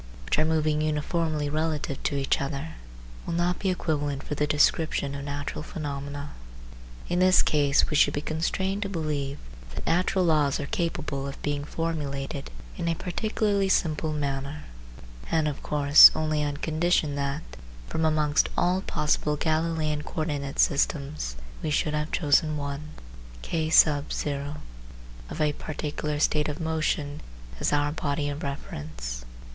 which are moving uniformly relative to each other, will not be equivalent for the description of natural phenomena. In this case we should be constrained to believe that natural laws are capable of being formulated in a particularly simple manner, and of course only on condition that, from amongst all possible Galileian co ordinate systems, we should have chosen one (K) of a particular state of motion as our body of reference.